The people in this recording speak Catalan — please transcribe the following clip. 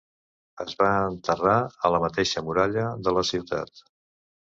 Es va enterrar a la mateixa muralla de la ciutat.